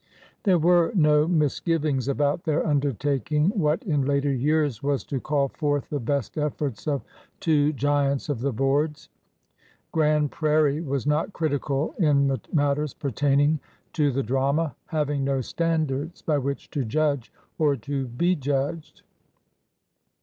There were no misgivings about their undertaking what in later years was to call forth the best efforts of two giants of the boards. Grand Prairie was not critical in mat ters pertaining to the drama, having no standards by which to judge or be judged.